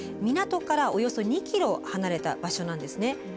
港からおよそ２ｋｍ離れた場所なんですね。